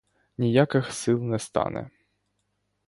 Ніяких сил не стане!